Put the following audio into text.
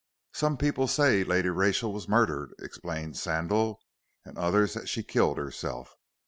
"Some people say Lady Rachel was murdered," explained Sandal, "and others that she killed herself.